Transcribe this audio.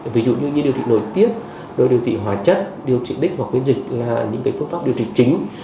ví dụ như như điều trị nội tiết điều trị hóa chất điều trị đích hoặc biến dịch là những phong pháp điều trị chính